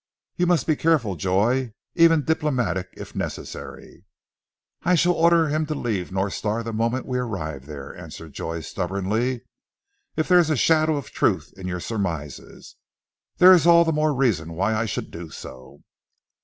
You must be careful, Joy, even diplomatic if necessary." "I shall order him to leave North Star the moment we arrive there!" answered Joy stubbornly. "If there is a shadow of truth in your surmises, there is all the more reason why I should do so."